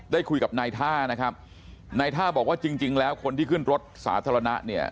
ได้คุยกับนายท่านะครับนายท่าบอกว่าจริงจริงแล้วคนที่ขึ้นรถสาธารณะเนี่ย